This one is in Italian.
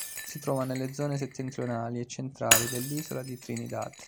Si trova nelle zone settentrionali e centrali dell'isola di Trinidad.